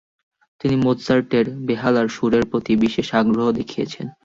তিনি মোৎসার্টের বেহালার সুরের প্রতি বিশেষ আগ্রহ দেখিয়েছেন।